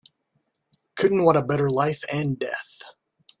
Couldn't want a better life and death.